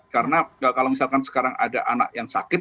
karena kalau misalkan sekarang ada anak yang sakit